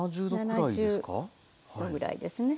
７０度ぐらいですね。